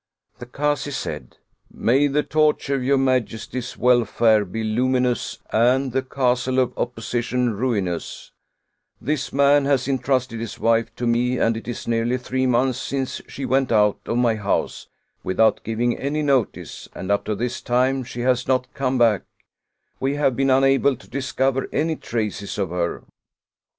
192 The Lady and the Kazi The Kazi said: "May the torch of your majesty's wel fare be luminous, and the castle of opposition ruinous 1 This man has intrusted his wife to me and it is nearly three months since she went out of my house without giv ing any notice, and up to this time she has not come back; we have been unable to discover any traces of her."